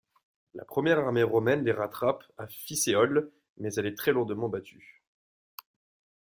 La première armée romaine les rattrape à Fiesole, mais est très lourdement battue.